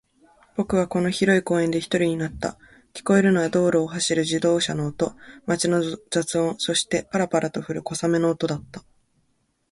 僕はこの広い公園で一人になった。聞こえるのは道路を走る自動車の音、街の雑音、そして、パラパラと降る小雨の音だった。